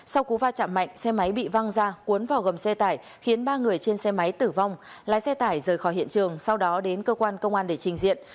sau cú va chạm mạnh xe máy bị văng ra cuốn vào gầm xe tải khiến ba người trên xe máy tử vong lái xe tải rời khỏi hiện trường sau đó đến cơ quan công an để trình diện